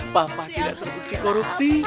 papa tidak terbuka korupsi